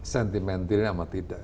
sentimental ini sama tidak